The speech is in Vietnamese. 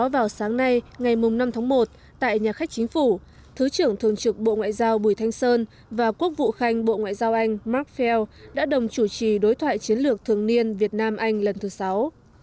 vào sáng nay ngày năm tháng một tại nhà khách chính phủ thứ trưởng thường trực bộ ngoại giao bùi thanh sơn và quốc vụ khanh bộ ngoại giao anh mark fell đã đồng chủ trì đối thoại chiến lược thường niên việt nam anh lần thứ sáu